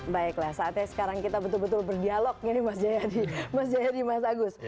baiklah saatnya sekarang kita betul betul berdialog ini mas jayadi mas agus